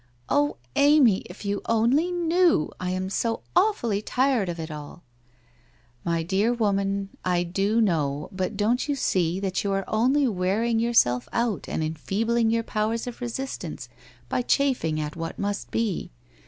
'Oh, Amv, if you only knew! I am so awfully tired of it all! »'' My dear woman, T do know, but don't you sec that you are only wearing yourself out and enfeebling your powers of resistance, by chafing at what must be.